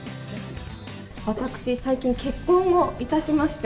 私、最近結婚をいたしまして。